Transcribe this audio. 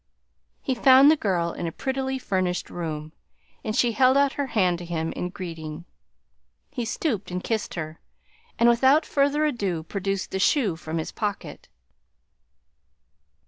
He found the girl in a prettily furnished room, and she held out her hand to him in greeting. He stooped and kissed her, and without further ado produced the shoe from his pocket.